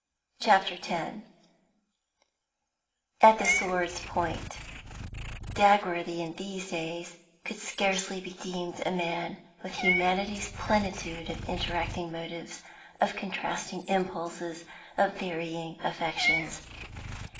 CHAPTER X AT THE SWORD'S POINT Dagworthy in these days could scarcely be deemed a man, with humanity's plenitude of interacting motives, of contrasting impulses, of varying affections.